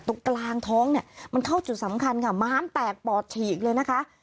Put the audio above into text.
ตรงกลางท้องเนี่ยมันเข้าจุดสำคัญค่ะม้ามแตกปอดฉีกเลยนะคะ